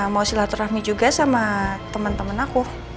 mau silah tromi juga sama temen temen aku